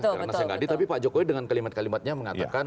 karena saya gak adil tapi pak jokowi dengan kalimat kalimatnya mengatakan